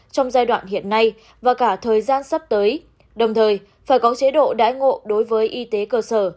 trong giai đoạn hiện nay và cả thời gian sắp tới đồng thời phải có chế độ đái ngộ đối với y tế cơ sở